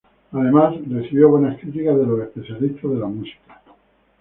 Además, recibió buenas críticas de los especialistas de la música.